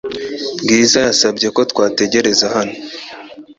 Bwiza yasabye ko twategereza hano .